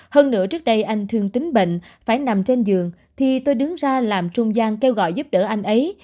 hơn nữa trước đây anh thương tính bệnh phải nằm trên giường thì tôi đứng ra làm trung gian kêu gọi giúp đỡ anh ấy